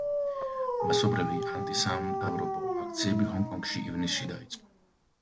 მასობრივი ანტისამთავრობო აქციები ჰონგ-კონგში ივნისში დაიწყო.